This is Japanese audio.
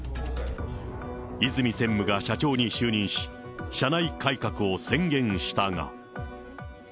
和泉専務が社長に就任し、社内改革を宣言したが。